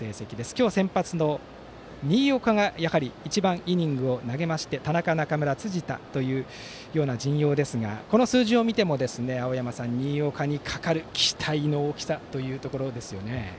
今日、先発の新岡がやはり一番イニングを投げまして田中、中村、辻田というような陣容ですがこの数字を見ても、青山さん新岡にかかる期待の大きさですね。